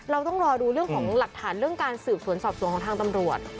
เราต้องรอดูเรื่องของหลักฐานเรื่องการสืบสวนสอบสวนของทางตำรวจ